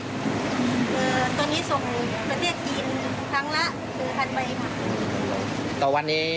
ตอนนี้ส่งประเทศกรีนทั้งละ๑๐๐๐ใบ